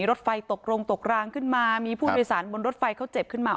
รถไฟตกลงตกรางขึ้นมามีผู้โดยสารบนรถไฟเขาเจ็บขึ้นมา